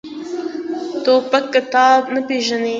توپک کتاب نه پېژني.